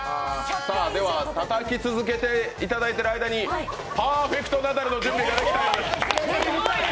では、たたき続けていただいている間に、「パーフェクトナダル」の準備ができたようです。